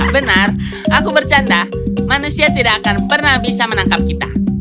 benar aku bercanda manusia tidak akan pernah bisa menangkap kita